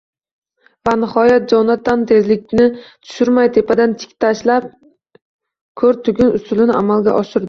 Va nihoyat, Jonatan tezlikni tushirmay, tepadan tik tashlab «ko‘r tugun» usulini amalga oshirdi.